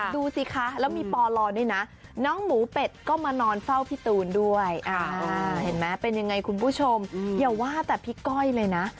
ดูสิคะแล้วมีปอลด้วยนะน้องหมูเป็ดก็มานอนเฝ้าพี่ตูนด้วยเห็นไหมเป็นยังไงคุณผู้ชมอย่าว่าแต่พี่ก้อยเลยนะ